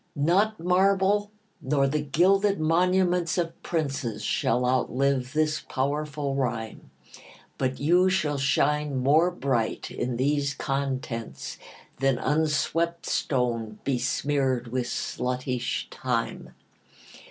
NOT marble, nor the gilded monuments Of princes, shall outlive this powerful rhyme; But you shall shine more bright in these contents Than unswept stone besmear'd with sluttish time.